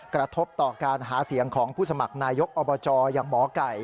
กระทบต่อการหาเสียงของผู้สมัครนายกอบจอย่างหมอไก่